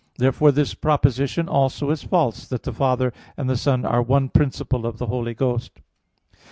Therefore this proposition also is false, that the Father and the Son are one principle of the Holy Ghost.